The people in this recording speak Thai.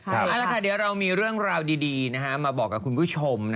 เอาละค่ะเดี๋ยวเรามีเรื่องราวดีมาบอกกับคุณผู้ชม